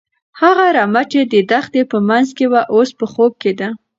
هغه رمه چې د دښتې په منځ کې وه، اوس په خوب کې ده.